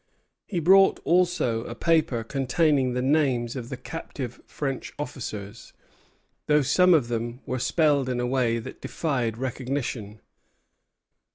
He brought also a paper containing the names of the captive French officers, though some of them were spelled in a way that defied recognition.